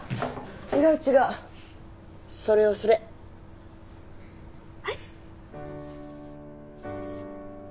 違う違うそれよそれはい？